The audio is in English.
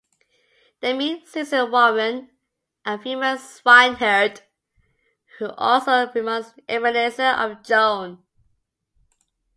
They meet Susan Warren, a female swineherd who also reminds Ebenezer of Joan.